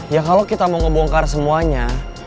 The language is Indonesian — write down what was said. ya kalau kita mau ngebongkar semuanya